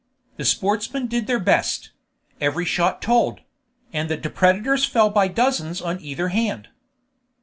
The sportsmen did their best; every shot told; and the depredators fell by dozens on either hand.